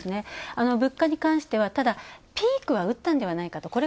物価に関しては、ただピークはうったんではないかと。